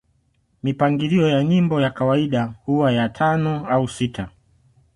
Mipangilio ya nyimbo ya kawaida huwa ya tano au sita